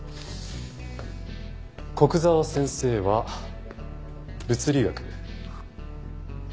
古久沢先生は物理学。